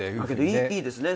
いいですね